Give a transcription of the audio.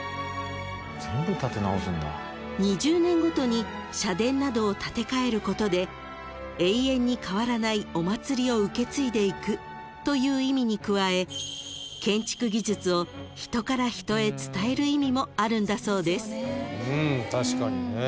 ［２０年ごとに社殿などを建て替えることで永遠に変わらないお祭りを受け継いでいくという意味に加え建築技術を人から人へ伝える意味もあるんだそうです］